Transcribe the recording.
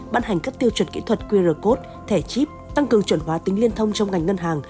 ban hành các tiêu chuẩn kỹ thuật qr code thẻ chip tăng cường chuẩn hóa tính liên thông trong ngành ngân hàng